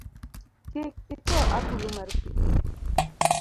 Kik ito agulu mar pi